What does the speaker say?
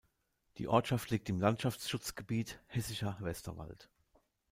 Die Ortschaft liegt im Landschaftsschutzgebiet „Hessischer Westerwald“.